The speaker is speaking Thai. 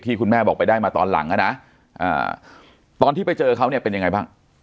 คุณแม่บอกไปได้มาตอนหลังอ่ะนะตอนที่ไปเจอเขาเนี่ยเป็นยังไงบ้าง